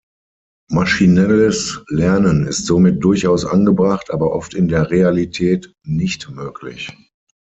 Maschinelles Lernen ist somit durchaus angebracht, aber oft in der Realität nicht möglich.